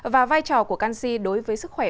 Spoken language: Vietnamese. và vai trò của canxi đối với sức khỏe